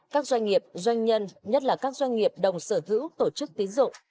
các doanh nghiệp doanh nhân nhất là các doanh nghiệp đồng sở hữu tổ chức tín dụng